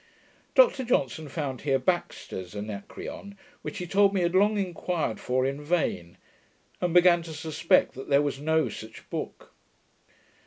Dr Johnson found here Baxter's Anacreon, which he told me he had long inquired for in vain, and began to suspect there was no such book.